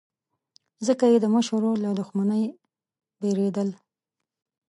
ځکه یې د مشر ورور له دښمنۍ بېرېدل.